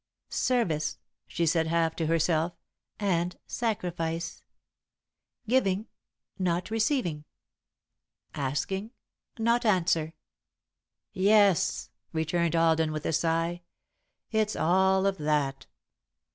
"Service," she said, half to herself, "and sacrifice. Giving, not receiving. Asking, not answer." "Yes," returned Alden, with a sigh, "it's all of that.